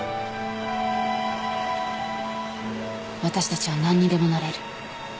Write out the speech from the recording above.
私たちは何にでもなれる。